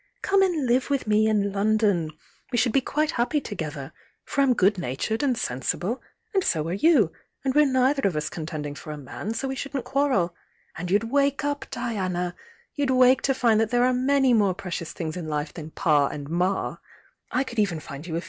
Came and live with me in London. We should be quite happy together, for I'm good natured and sensible, and so are you, and we're neither of us so THE YOUNG DIANA eontenduig for it man, so we shouldn't quarrel. And youd wake up, Diana I— you'd wake to find that Uiere are many more precious things in life than Pa and Ma! I could even find you a